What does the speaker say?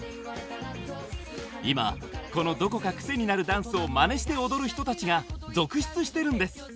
今、このどこか癖になるダンスをまねして踊る人たちが続出してるんです。